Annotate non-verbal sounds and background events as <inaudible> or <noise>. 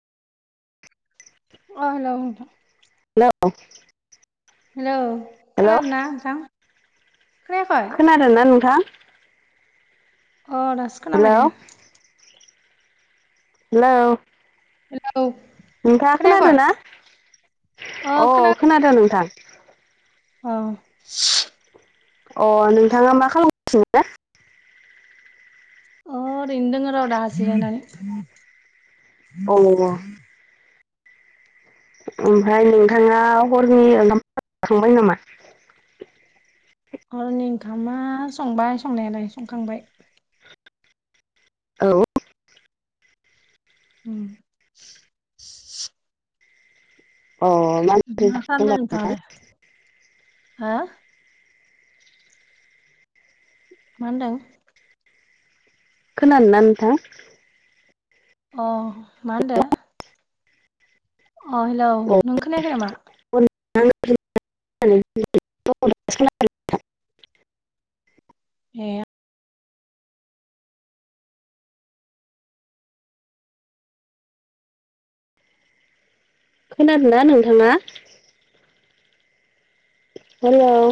अ' hello नोंथां। Hello! Hello hello खोनादोना नोंथां? खोनायाखै? खोनादोंना नोंथां? अ' दासो हेल' खोनाबाय दे हेलौ! हेलौ! नोंथाङा खोनायाखै खोनादोना? अ' खोनादो औ नोंथां। अ'। अ' नोंथाङा मा खालामगासिनो? अ' ओरैनो दोङो र' दा। जिरायनानै <unintelligible> ओमफाय नोंथाङा हरनि ओंखाम <unintelligible> खांबाय नामा? हरनि ओंखामा संबाय संनायालाय संखांबाय। औ। उम। अ ओंख्रि मा जाखो खामदों होनबा नोंथां नोथाङालाय? हो? मा होन्दों। खोनादों ना नोंथां। अ मा होनदो। अ हेलौ अ नों खोनायाखै नामा? <inaudible> ए खोनादों ना नोंथाङा। हेल'